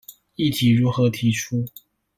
議題如何提出？